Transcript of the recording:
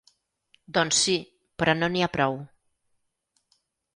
Doncs sí, però no n’hi ha prou.